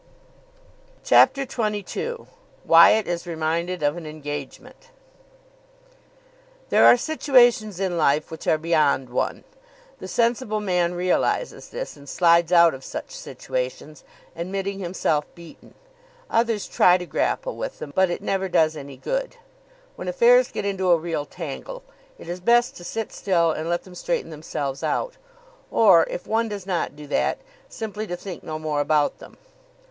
CHAPTER XXII WYATT IS REMINDED OF AN ENGAGEMENT There are situations in life which are beyond one. The sensible man realises this, and slides out of such situations, admitting himself beaten. Others try to grapple with them, but it never does any good. When affairs get into a real tangle, it is best to sit still and let them straighten themselves out. Or, if one does not do that, simply to think no more about them.